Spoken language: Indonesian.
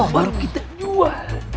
baru kita jual